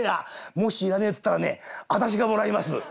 もし『いらねえ』つったらねあたしがもらいます」。